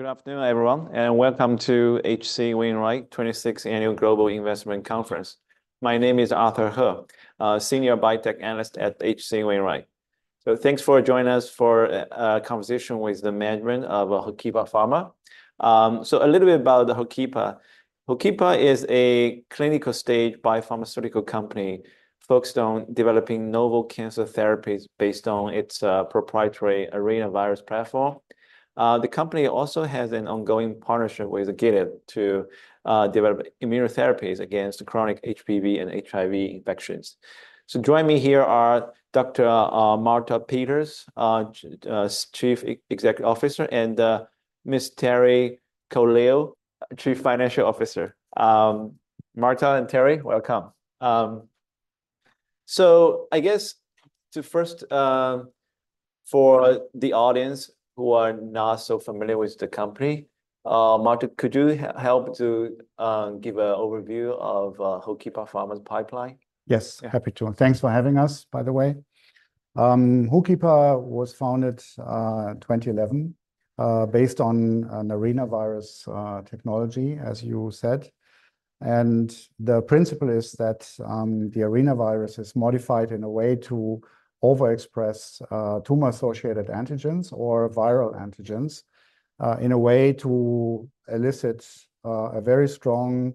Good afternoon, everyone, and welcome to H.C. Wainwright 26th Annual Global Investment Conference. My name is Arthur He, senior biotech analyst at H.C. Wainwright. So thanks for joining us for a conversation with the management of HOOKIPA Pharma. So a little bit about the HOOKIPA. HOOKIPA is a clinical stage biopharmaceutical company focused on developing novel cancer therapies based on its proprietary arenavirus platform. The company also has an ongoing partnership with Gilead to develop immunotherapies against chronic HPV and HIV infections. So joining me here are Dr. Malte Peters, Chief Executive Officer, and Ms. Terry Coelho, Chief Financial Officer. Malte and Terry, welcome. So I guess to first, for the audience who are not so familiar with the company, Malte, could you help to give an overview of HOOKIPA Pharma's pipeline? Yes, happy to. Thanks for having us, by the way. HOOKIPA was founded in 2011 based on an arenavirus technology, as you said. The principle is that the arenavirus is modified in a way to overexpress tumor-associated antigens or viral antigens in a way to elicit a very strong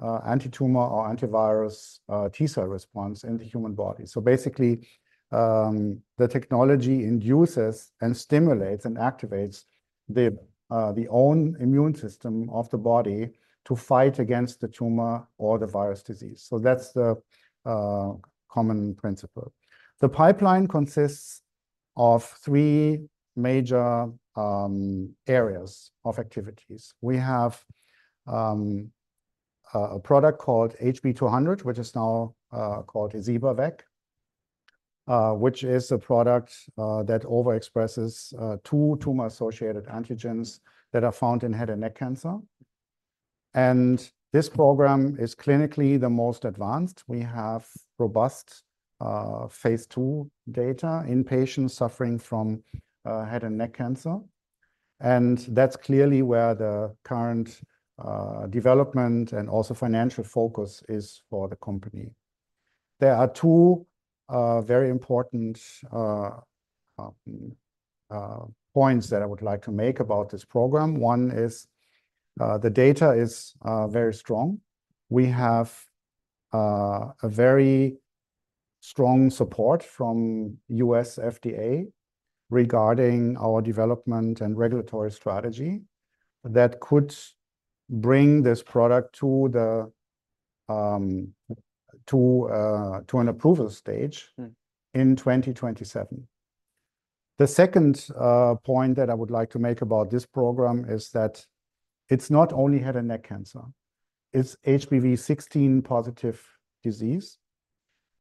antitumor or antivirus T-cell response in the human body. Basically, the technology induces and stimulates and activates the own immune system of the body to fight against the tumor or the virus disease. That's the common principle. The pipeline consists of three major areas of activities. We have a product called HB-200, which is now called eservivec, which is a product that overexpresses two tumor-associated antigens that are found in head and neck cancer, and this program is clinically the most advanced. We have robust phase two data in patients suffering from head and neck cancer, and that's clearly where the current development and also financial focus is for the company. There are two very important points that I would like to make about this program. One is the data is very strong. We have a very strong support from U.S. FDA regarding our development and regulatory strategy that could bring this product to an approval stage- Mm... in 2027. The second point that I would like to make about this program is that it's not only head and neck cancer, it's HPV-16-positive disease,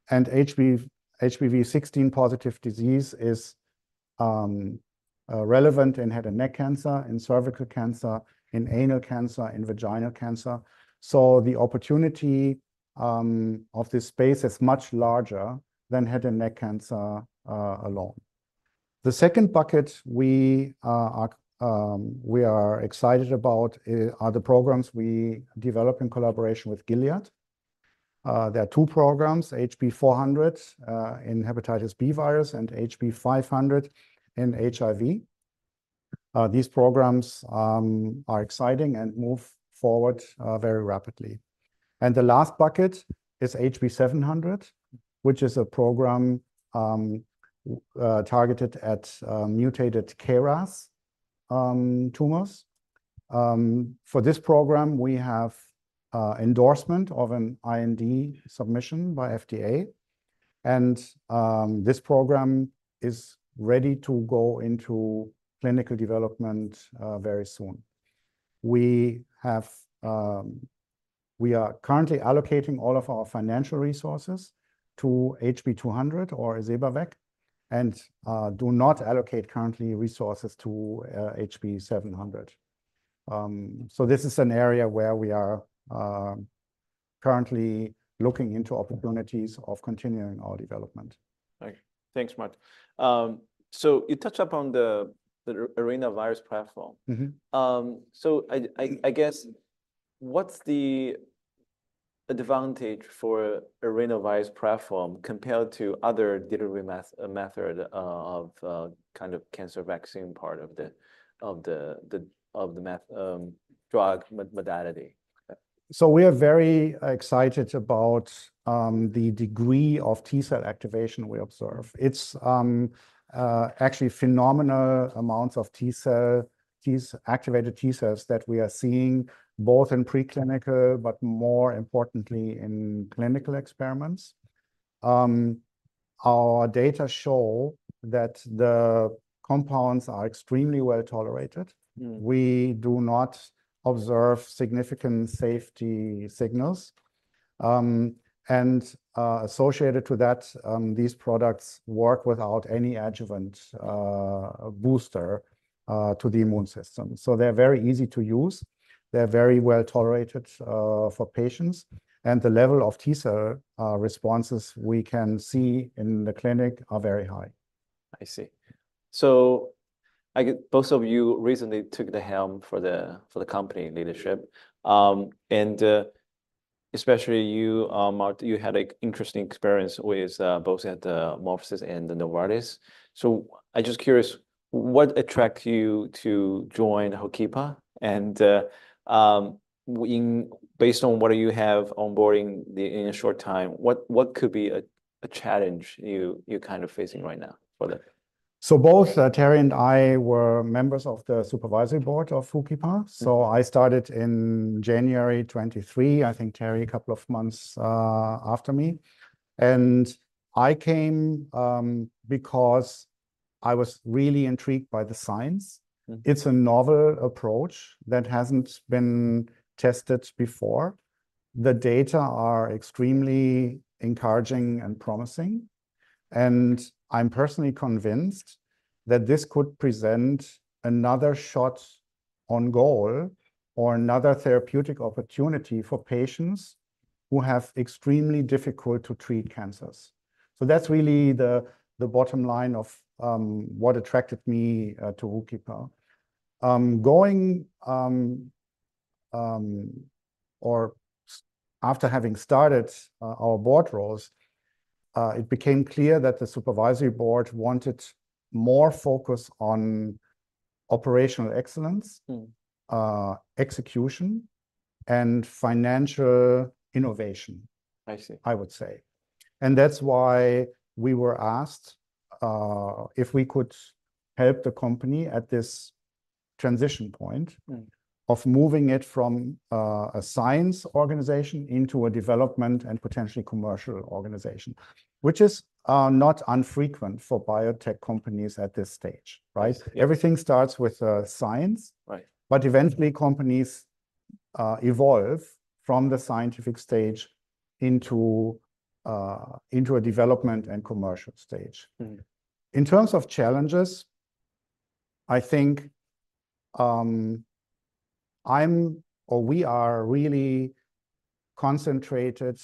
and HPV-16-positive disease is relevant in head and neck cancer, in cervical cancer, in anal cancer, in vaginal cancer. So the opportunity of this space is much larger than head and neck cancer alone. The second bucket we are excited about are the programs we develop in collaboration with Gilead. There are two programs, HB-400 in Hepatitis B virus, and HB-500 in HIV. These programs are exciting and move forward very rapidly. And the last bucket is HB-700, which is a program targeted at mutated KRAS tumors. For this program, we have endorsement of an IND submission by FDA, and this program is ready to go into clinical development very soon. We are currently allocating all of our financial resources to HB-200 or eservivec, and do not allocate currently resources to HB-700. So this is an area where we are currently looking into opportunities of continuing our development. Right. Thanks, Malte. So you touched upon the arenavirus platform. Mm-hmm. So I guess, what's the advantage for arenavirus platform compared to other delivery method of kind of cancer vaccine part of the drug modality? We are very excited about the degree of T-cell activation we observe. It's actually phenomenal amounts of T-cell activated T-cells that we are seeing, both in preclinical, but more importantly in clinical experiments. Our data show that the compounds are extremely well-tolerated. Mm. We do not observe significant safety signals, and associated to that, these products work without any adjuvant booster to the immune system. So they're very easy to use, they're very well-tolerated for patients, and the level of T-cell responses we can see in the clinic are very high. I see. So both of you recently took the helm for the company leadership. And especially you, Malte, you had an interesting experience with both at the MorphoSys and the Novartis. So I'm just curious, what attracted you to join HOOKIPA? And based on what you have onboarding in a short time, what could be a challenge you're kind of facing right now for the- So both Terry and I were members of the supervisory board of HOOKIPA. So I started in January 2023, I think Terry a couple of months after me. And I came because I was really intrigued by the science. Mm. It's a novel approach that hasn't been tested before. The data are extremely encouraging and promising, and I'm personally convinced that this could present another shot on goal or another therapeutic opportunity for patients who have extremely difficult-to-treat cancers. So that's really the bottom line of what attracted me to HOOKIPA. After having started our board roles, it became clear that the supervisory board wanted more focus on operational excellence. Mm.... execution, and financial innovation- I see... I would say. And that's why we were asked if we could help the company at this transition point- Mm ... of moving it from a science organization into a development and potentially commercial organization, which is not unfrequent for biotech companies at this stage, right? I see. Everything starts with science. Right... but eventually, companies evolve from the scientific stage into a development and commercial stage. Mm. In terms of challenges, I think, I'm or we are really concentrated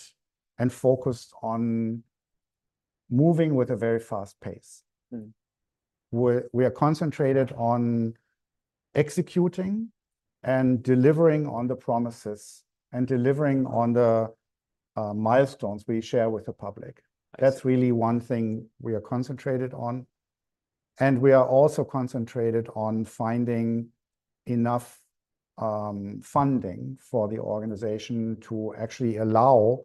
and focused on moving with a very fast pace. Mm. We are concentrated on executing and delivering on the promises, and delivering on the milestones we share with the public. I see. That's really one thing we are concentrated on, and we are also concentrated on finding enough, funding for the organization to actually allow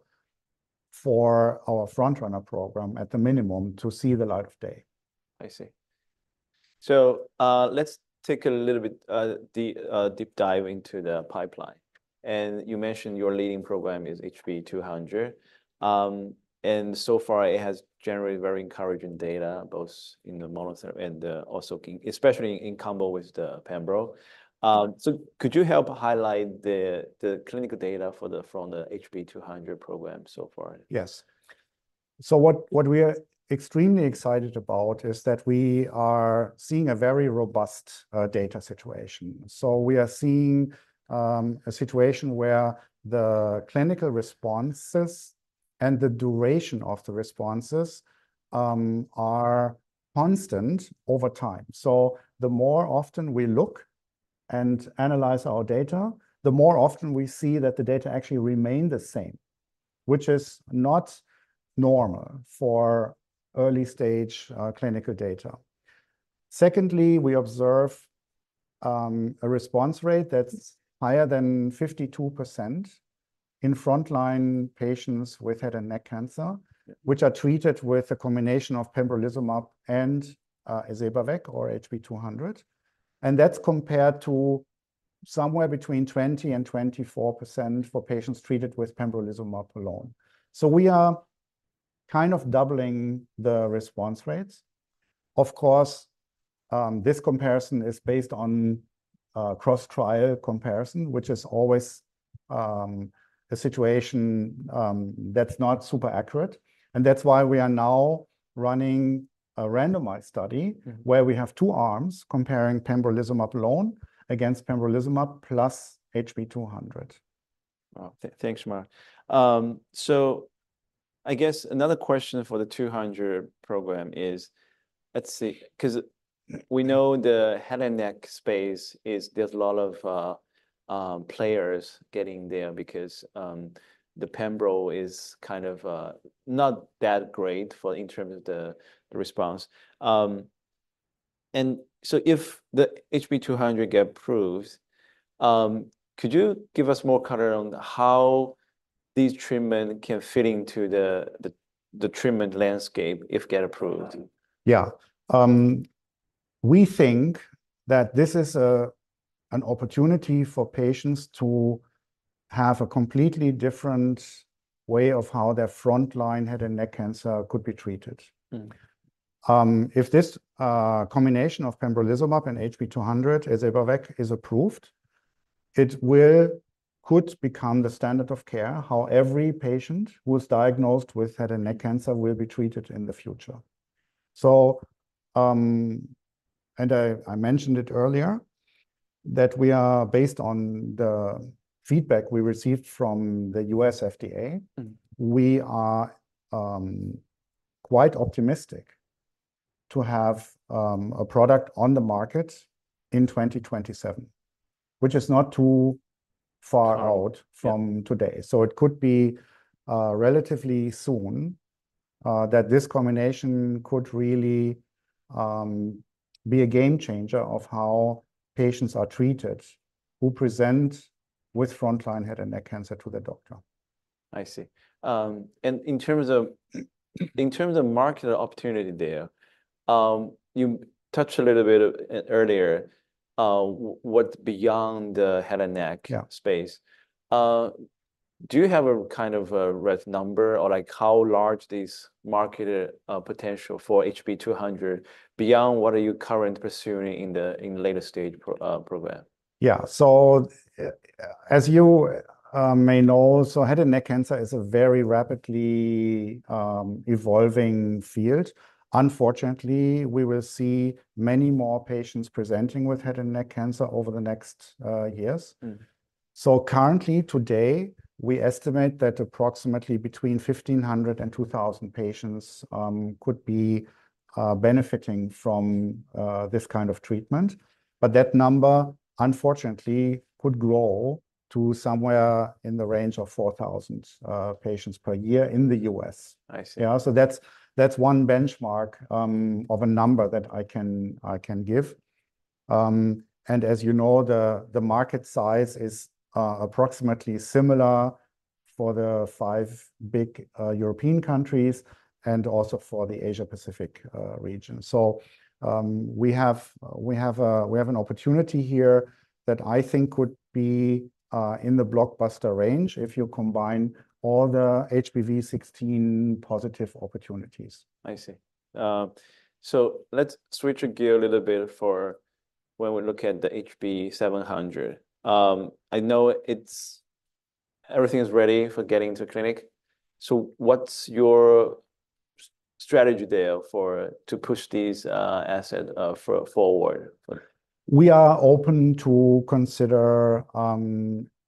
for our front-runner program, at the minimum, to see the light of day. I see. So, let's take a little bit deep dive into the pipeline. And you mentioned your leading program is HB-200. And so far it has generated very encouraging data, both in the monotherapy and, also especially in combo with the pembro. So could you help highlight the clinical data from the HB-200 program so far? Yes. So what we are extremely excited about is that we are seeing a very robust, data situation. So we are seeing, a situation where the clinical responses and the duration of the responses, are constant over time. So the more often we look and analyze our data, the more often we see that the data actually remain the same, which is not normal for early-stage, clinical data. Secondly, we observe, a response rate that's higher than 52% in frontline patients with head and neck cancer. Mm... which are treated with a combination of pembrolizumab and eservivec or HB-200, and that's compared to somewhere between 20%-24% for patients treated with pembrolizumab alone. So we are kind of doubling the response rates. Of course, this comparison is based on cross-trial comparison, which is always a situation that's not super accurate, and that's why we are now running a randomized study- Mm... where we have two arms comparing pembrolizumab alone against pembrolizumab plus HB-200. Wow, thanks, Malte. So I guess another question for the 200 program is... Let's see, 'cause we know the head and neck space is. There's a lot of players getting there because the pembro is kind of not that great in terms of the response. And so if the HB-200 get approved, could you give us more color on how these treatment can fit into the treatment landscape if get approved? Yeah. We think that this is an opportunity for patients to have a completely different way of how their frontline head and neck cancer could be treated. Mm. If this combination of pembrolizumab and HB-200, eservivec, is approved, it will could become the standard of care, how every patient who is diagnosed with head and neck cancer will be treated in the future. So, and I mentioned it earlier, that we are based on the feedback we received from the U.S. FDA- Mm... we are quite optimistic to have a product on the market in 2027, which is not too far out from today. So it could be relatively soon that this combination could really be a game changer of how patients are treated, who present with frontline head and neck cancer to their doctor. I see. And in terms of market opportunity there, you touched a little bit earlier, what beyond the head and neck- Yeah Do you have a kind of a rough number, or, like, how large this market potential for HB-200, beyond what are you currently pursuing in the, in later-stage program? Yeah. So, as you may know, so head and neck cancer is a very rapidly evolving field. Unfortunately, we will see many more patients presenting with head and neck cancer over the next years. Mm. So currently, today, we estimate that approximately between 1,500 and 2,000 patients could be benefiting from this kind of treatment. But that number, unfortunately, could grow to somewhere in the range of 4,000 patients per year in the U.S. I see. Yeah, so that's one benchmark of a number that I can give. And as you know, the market size is approximately similar for the five big European countries, and also for the Asia Pacific region. So, we have an opportunity here that I think would be in the blockbuster range if you combine all the HPV-16-positive opportunities. I see. So let's switch gear a little bit for when we look at the HB-700. I know it's everything is ready for getting to clinic, so what's your strategy there for to push this asset forward? We are open to consider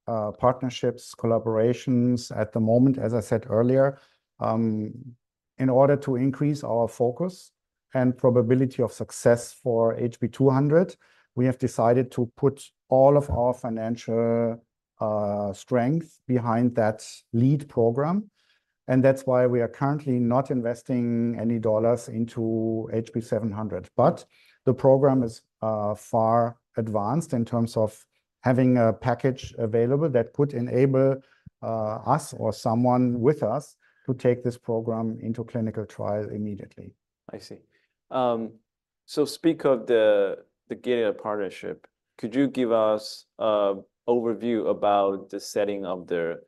partnerships, collaborations at the moment. As I said earlier, in order to increase our focus and probability of success for HB-200, we have decided to put all of our financial strength behind that lead program, and that's why we are currently not investing any dollars into HB-700. But the program is far advanced in terms of having a package available that could enable us or someone with us to take this program into clinical trial immediately. I see. Speaking of the Gilead partnership, could you give us an overview about the setting of the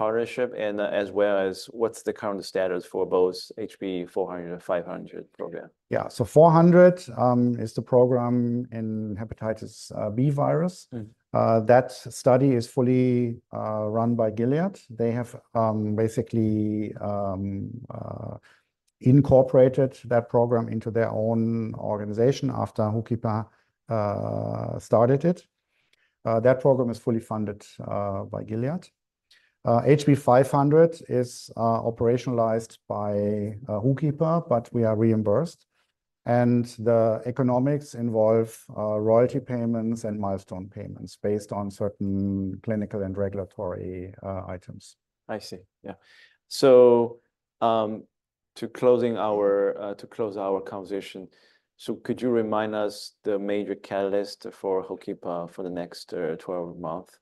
partnership, and as well as what's the current status for both HB-400 and HB-500 program? Yeah. Yeah, so HB-400 is the program in hepatitis B virus. Mm. That study is fully run by Gilead. They have basically incorporated that program into their own organization after HOOKIPA started it. That program is fully funded by Gilead. HB-500 is operationalized by HOOKIPA, but we are reimbursed, and the economics involve royalty payments and milestone payments based on certain clinical and regulatory items. I see. Yeah. So, to close our conversation, so could you remind us the major catalyst for HOOKIPA for the next 12 month?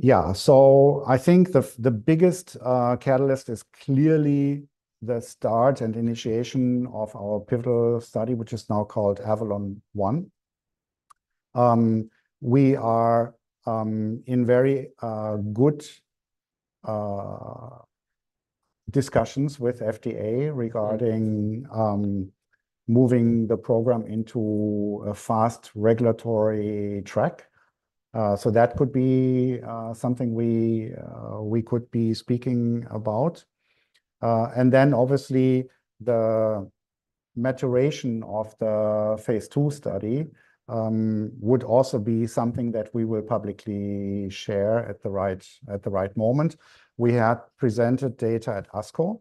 Yeah. So I think the biggest catalyst is clearly the start and initiation of our pivotal study, which is now called AVALON-1. We are in very good discussions with FDA regarding moving the program into a fast regulatory track. So that could be something we could be speaking about. And then obviously, the maturation of the Phase 2 study would also be something that we will publicly share at the right moment. We have presented data at ASCO,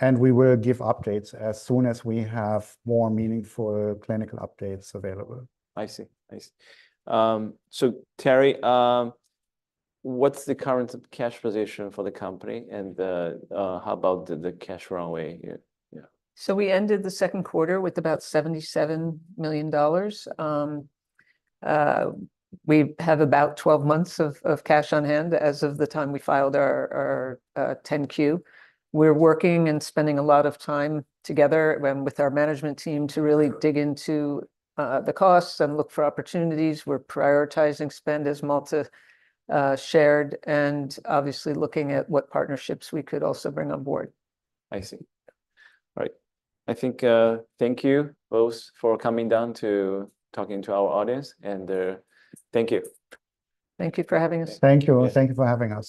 and we will give updates as soon as we have more meaningful clinical updates available. I see. I see, so Terry, what's the current cash position for the company, and how about the cash runway? Yeah. So we ended the second quarter with about $77 million. We have about 12 months of cash on hand as of the time we filed our 10-Q. We're working and spending a lot of time together with our management team to really dig into the costs and look for opportunities. We're prioritizing spend, as Malte shared, and obviously looking at what partnerships we could also bring on board. I see. All right. I think, thank you both for coming down to talking to our audience, and, thank you. Thank you for having us. Thank you. Yeah. Thank you for having us.